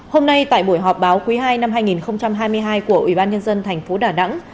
hôm nay tại buổi họp báo quý ii năm hai nghìn hai mươi hai của ủy ban nhân dân thành phố đà nẵng